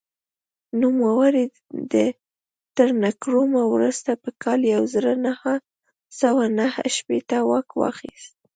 نوموړي تر نکرومه وروسته په کال یو زر نهه سوه نهه شپېته واک واخیست.